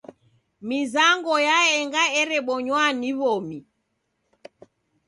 Mizango yaenga erebonywa ni w'omi.